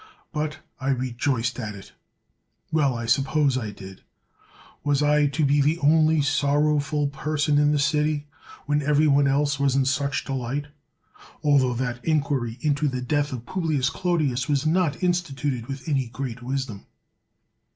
But I rejoiced at it! Well, suppose I did; was I to be the only sorrowful person in the city, when every one else was in such de light? Altho that inquiry into the death of Publius Clodius was not instituted with any great wisdom.